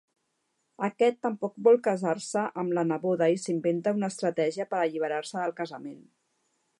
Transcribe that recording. Aquest tampoc vol casar-se amb la neboda i s'inventa una estratègia per alliberar-se del casament.